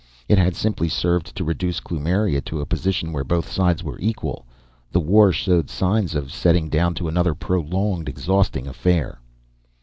It had simply served to reduce Kloomiria to a position where both sides were equal. The war showed signs of settling down to another prolonged, exhausting affair.